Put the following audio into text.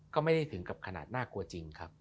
ก็ไม่ได้ถึงกับขนาดน่ากลัวจริงครับ